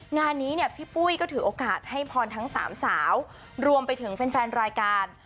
งานนี้เนี่ยพี่ปุ้ยก็ถือโอกาสให้พรทั้งสามสาวรวมไปถึงแฟนรายการ